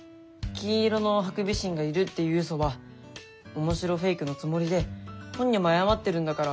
金色のハクビシンがいるっていうウソは面白フェイクのつもりで本人も謝ってるんだからいいんじゃないの？